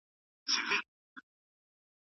سم نیت بریالیتوب نه زیانمنوي.